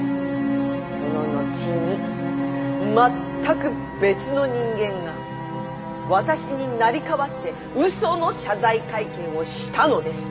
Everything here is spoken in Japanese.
その後にまったく別の人間が私に成り代わって嘘の謝罪会見をしたのです。